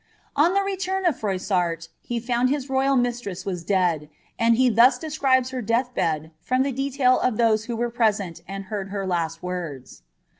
On the return of Froissart, he found his royal mis RHs was dead, and he thus describes her deathbed, from the detail of hose who were present and heard her last words.